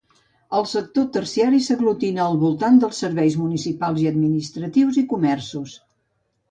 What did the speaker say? El sector terciari s'aglutina al voltant dels serveis municipals i administratius i comerços.